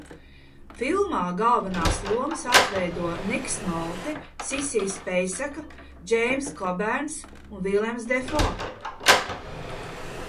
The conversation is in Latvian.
Filmā galvenās lomas atveido Niks Nolte, Sisija Speiseka, Džeimss Kobērns un Vilems Defo.